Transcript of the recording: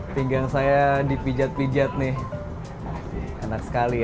pinggang saya dipijat pijat nih enak sekali